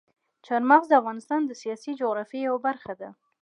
چار مغز د افغانستان د سیاسي جغرافیې یوه برخه ده.